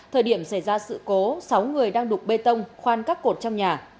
thời điểm xảy ra sự cố sáu người đang đục bê tông khoan các cột trong nhà